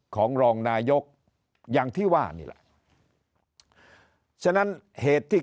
ของรองนายกอย่างที่ว่านี่แหละฉะนั้นเหตุที่